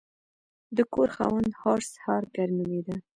د کور خاوند هورس هارکر نومیده.